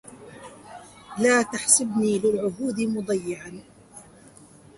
لا تحسبني للعهود مضيعا